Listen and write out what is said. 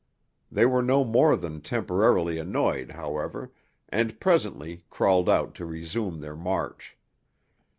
They were no more than temporarily annoyed, however, and presently crawled out to resume their march.